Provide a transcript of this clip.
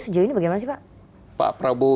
sejauh ini bagaimana sih pak prabowo